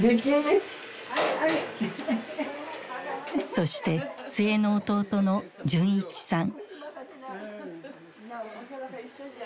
そして末の弟の純一さん。